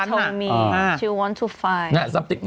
เพราะว่าเธอบอกว่าเธออยากเจอ